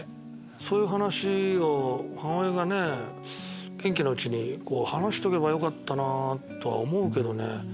そういう話を母親が元気なうちに話しとけばよかったなとは思うけどね。